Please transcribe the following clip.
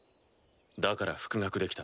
だから復学できた。